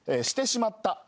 「してしまった」